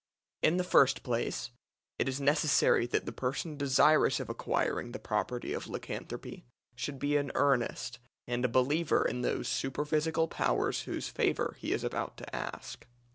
In the first place, it is necessary that the person desirous of acquiring the property of lycanthropy should be in earnest and a believer in those superphysical powers whose favour he is about to ask.